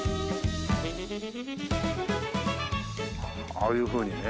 ああいうふうにね。